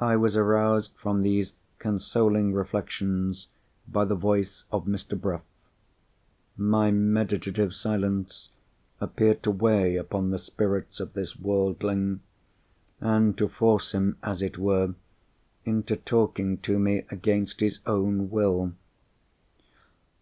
I was aroused from these consoling reflections by the voice of Mr. Bruff. My meditative silence appeared to weigh upon the spirits of this worldling, and to force him, as it were, into talking to me against his own will.